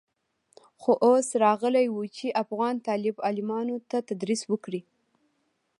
خو اوس راغلى و چې افغان طالب العلمانو ته تدريس وکړي.